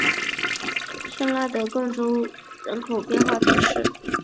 圣拉德贡德人口变化图示